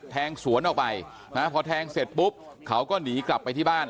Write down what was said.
แทงสวนออกไปพอแทงเสร็จปุ๊บเขาก็หนีกลับไปที่บ้าน